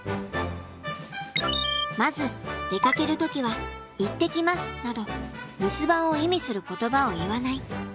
まず出かける時は「行ってきます」など留守番を意味する言葉を言わない。